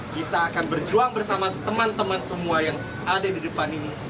kita akan berjuang bersama teman teman semua yang ada di depan ini